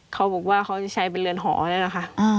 เค้าบอกว่าเค้าจะใช้เป็นเรือนหอด้วยนะคะ